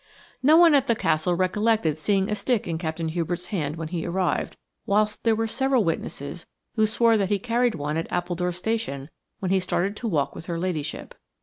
No one at the Castle recollected seeing a stick in Captain Hubert's hand when he arrived, whilst there were several witnesses who swore that he carried one at Appledore Station when he started to walk with her ladyship.